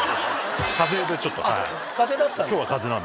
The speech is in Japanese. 風邪でちょっと。